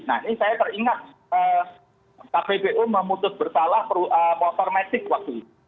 nah ini saya teringat kppu memutus bertalah motor metik waktu itu